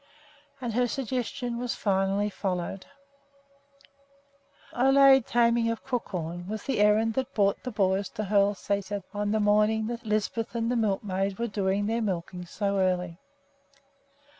And her suggestion was finally followed. Ole's taming of Crookhorn was the errand that brought the boys to the Hoel Sæter on the morning that Lisbeth and the milkmaid were doing their milking so early.